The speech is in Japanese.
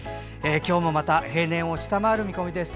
今日もまた平年を下回る見込みです。